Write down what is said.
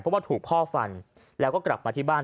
เพราะว่าถูกพ่อฟันแล้วก็กลับมาที่บ้าน